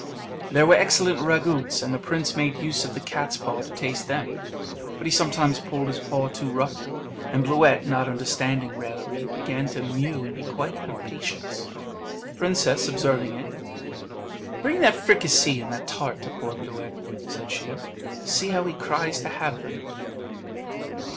There were excellent ragouts, and the prince made use of the cat's paw to taste them; but he sometimes pulled his paw too roughly, and Bluet, not understanding raillery, began to mew and be quite out of patience. The princess observing it, "Bring that fricassee and that tart to poor Bluet," said she; "see how he cries to have them."